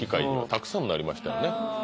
たくさんなりましたよね